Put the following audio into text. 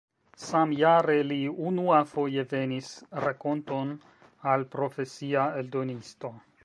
Samjare li unuafoje venis rakonton al profesia eldonisto.